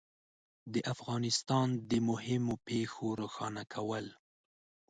د افغانستان د مهمو پېښو روښانه کول